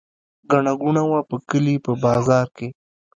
ګڼه ګوڼه وه په کلي په بازار کې.